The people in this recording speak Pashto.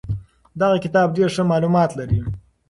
دغه کتاب ډېر ښه معلومات لري.